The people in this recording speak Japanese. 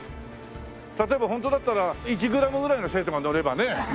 例えばホントだったら１グラムぐらいの生徒が乗ればね。